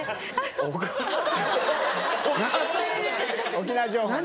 沖縄情報ね。